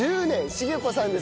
成子さんです。